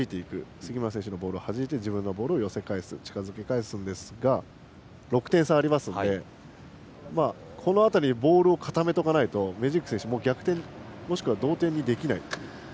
杉村選手のボールをはじいて自分のボールを寄せ返す近づけ返しますが６点差ありますのでこの辺りにボールを固めておかないとメジーク選手は逆転もしくは同点にできないという。